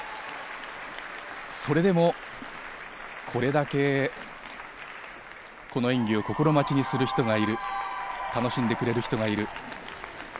それでも、これだけこの演技を心待ちにする人がいる、楽しんでくれる人がいる。